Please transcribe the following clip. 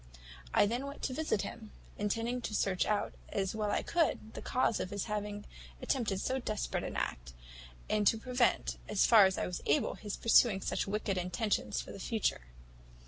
"I then went to visit him, intending to search out, as well as I could, the cause of his having attempted so desperate an act, and to prevent, as far as I was able, his pursuing such wicked intentions for the future.